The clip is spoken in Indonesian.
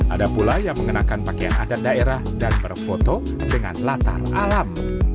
ada pula yang mengenakan pakaian adat daerah dan berfoto dengan latar alam